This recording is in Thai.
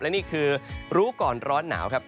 และนี่คือรู้ก่อนร้อนหนาวครับ